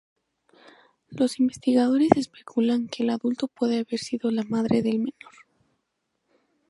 Los investigadores especulan que el adulto puede haber sido la madre del menor.